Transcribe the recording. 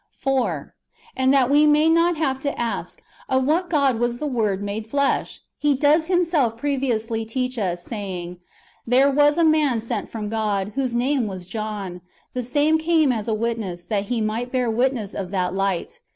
"^ 4. And that we may not have to ask, Of what God was the Word made flesh? he does himself previously teach us, saying, " There was a man sent from God, whose name was John. The same came as a witness, that he might bear witness of that Light.